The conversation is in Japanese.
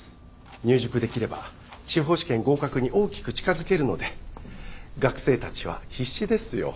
入塾できれば司法試験合格に大きく近づけるので学生たちは必死ですよ。